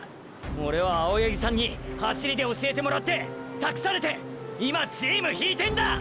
オレは青八木さんに走りで教えてもらって託されて今チーム引いてんだ！！